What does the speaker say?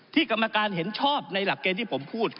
กรรมการเห็นชอบในหลักเกณฑ์ที่ผมพูด